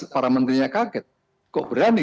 para menterinya kaget kok berani